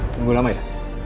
tunggu lama ya